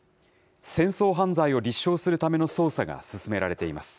戦争犯罪を立証するための捜査が進められています。